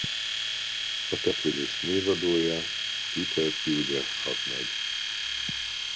A település névadója Peter Puget hadnagy.